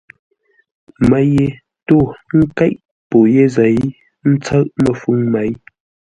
Mə́ ye tô ńkéʼ pô yé zêi, ə́ ntsə̌ʼ məfʉ̌ŋ mêi.